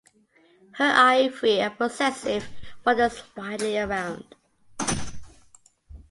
Her eye, free and possessive, wanders widely round.